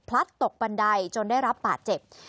พลัดตกบันไดจนได้รับปากเจ็บ